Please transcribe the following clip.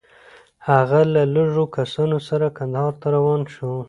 هغه له لږو کسانو سره کندهار ته روان شو.